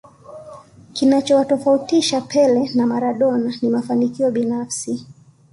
kinachowatofautisha pele na maradona ni mafanikio binafsi